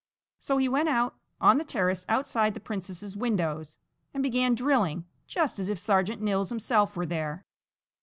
So he went out on the terrace outside the princess's windows and began drilling just as if Sergeant Nils himself were there.